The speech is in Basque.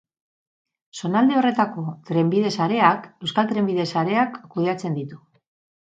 Zonalde horretako trenbide sareak, Euskal Trenbide Sareak kudeatzen ditu.